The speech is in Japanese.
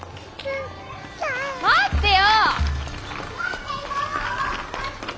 待ってよ！